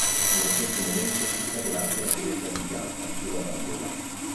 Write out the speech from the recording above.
Nello stesso momento, si scatena anche la gelosia di Bianca, che lo abbandona.